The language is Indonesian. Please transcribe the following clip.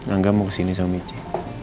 angga mau kesini sama michi